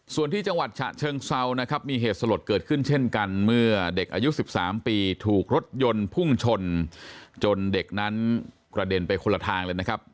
ส่วนที่จังหวัดฉะเชิงเซานะครับมีเหตุสลดเกิดขึ้นเช่นกันเมื่อเด็กอายุ๑๓ปีถูกรถยนต์พุ่งชนจนเด็กนั้นกระเด็นไปคนละทางเลยนะครับ